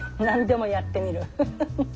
何でもやってみるフフフ。